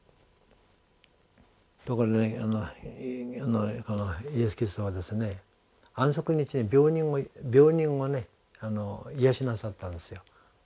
ところがイエス・キリストは安息日に病人をね癒やしなさったんですよ。